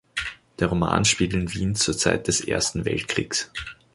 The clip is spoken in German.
Der Roman spielt in Wien zur Zeit des Ersten Weltkriegs.